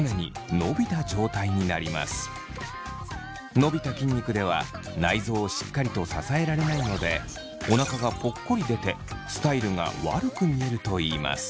伸びた筋肉では内臓をしっかりと支えられないのでおなかがぽっこり出てスタイルが悪く見えるといいます。